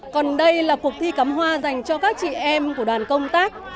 còn đây là cuộc thi cắm hoa dành cho các chị em của đoàn công tác